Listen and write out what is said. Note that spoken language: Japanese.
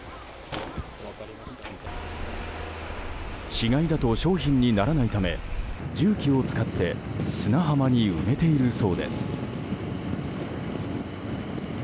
死骸だと商品にならないため重機を使って砂浜に埋めているそうです。